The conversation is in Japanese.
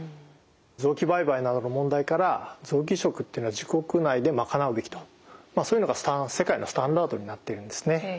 臓器売買などの問題から臓器移植っていうのは自国内で賄うべきとそういうのが世界のスタンダードになっているんですね。